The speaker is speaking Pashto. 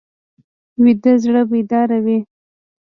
ویده زړه بیداره وي